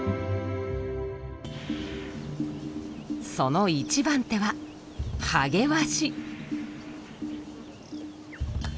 その一番手はハゲワシ。